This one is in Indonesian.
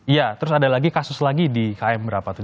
iya terus ada lagi kasus lagi di km berapa tuh tiga ratus sekian